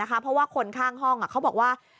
เพราะว่าคนข้างห้องเขาบอกว่า